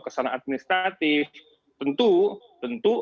kesalahan administratif tentu